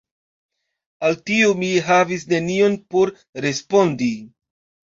Al tio, mi havis nenion por respondi.